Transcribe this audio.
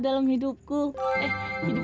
aku tuh nungguin kamu nih tau gak